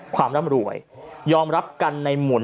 ร่ำรวยยอมรับกันในหมุน